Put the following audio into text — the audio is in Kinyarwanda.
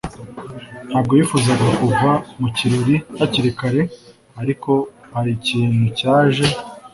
ntabwo yifuzaga kuva mu kirori hakiri kare, ariko hari ikintu cyaje.